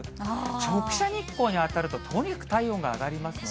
直射日光に当たると、とにかく体温が上がりますので。